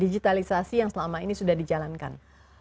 digitalisasi yang selama ini sudah dijalankan